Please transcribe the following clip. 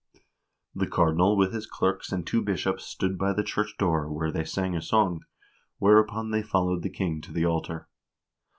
The cardinal with his clerks and two bishops stood by the church door, where they sang a song, whereupon they followed the king to the altar.